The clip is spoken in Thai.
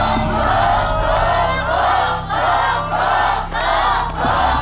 ถูก